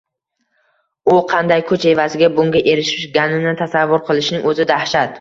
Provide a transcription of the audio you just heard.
U qanday kuch evaziga bunga erishganini tasavvur qilishning o`zi dahshat